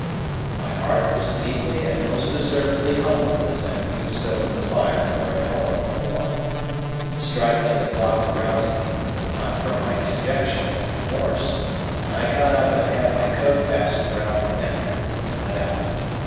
My heart was deeply and most deservedly humbled as I mused over the fire for an hour or more. The striking of the clock aroused me, but not from my dejection or remorse, and I got up and had my coat fastened round my neck, and went out.